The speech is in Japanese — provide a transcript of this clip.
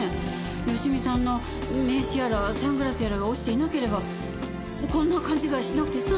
芳美さんの名刺やらサングラスやらが落ちていなければこんな勘違いしなくて済んだのに。